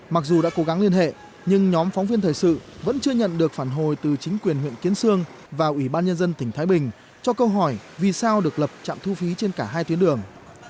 mặc dù đã cố gắng liên hệ nhưng nhóm phóng viên thời sự vẫn chưa nhận được phản hồi từ chính quyền huyện kiến sương và ủy ban nhân dân tỉnh thái bình cho câu hỏi vì sao được lập trạm thu phí trên cả hai tuyến đường